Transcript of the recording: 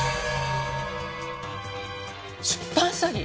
出版詐欺！？